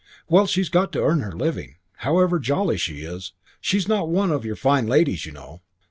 "Well, she's got to earn her living, however jolly she is. She's not one of your fine ladies, you know."